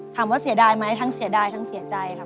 ถามว่าเสียดายไหมทั้งเสียดายทั้งเสียใจครับ